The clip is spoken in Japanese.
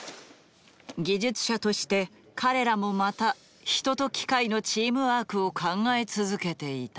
技術者として彼らもまた人と機械のチームワークを考え続けていた。